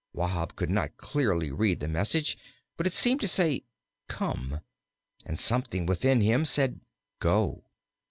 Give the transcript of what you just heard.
Wahb could not clearly read the message, but it seemed to say, "Come," and something within him said, "Go."